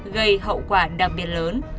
gây hậu quả đặc biệt lớn